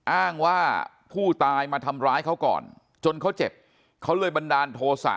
อ้างว่าผู้ตายมาทำร้ายเขาก่อนจนเขาเจ็บเขาเลยบันดาลโทษะ